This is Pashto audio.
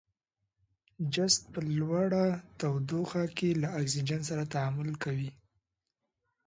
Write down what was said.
جست په لوړه تودوخه کې له اکسیجن سره تعامل کوي.